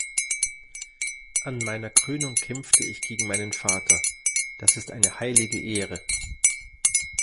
An meiner Krönung kämpfte ich gegen meinen Vater. Das ist eine heilige Ehre.